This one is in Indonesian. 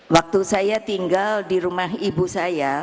waktu saya tinggal di rumah ibu saya